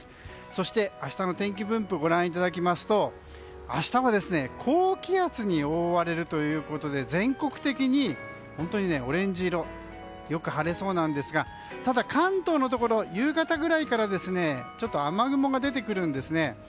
そして、明日の天気分布をご覧いただきますと明日は高気圧に覆われるということで全国的にオレンジ色よく晴れそうですがただ関東のところ夕方ぐらいから雨雲が出てくるんですね。